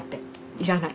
「いらない。